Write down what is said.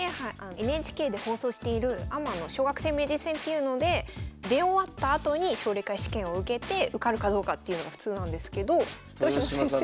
ＮＨＫで放送しているアマの小学生名人戦というので出終わったあとに奨励会試験を受けて受かるかどうかっていうのが普通なんですけど豊島先生。